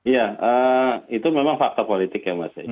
ya itu memang fakta politik ya mas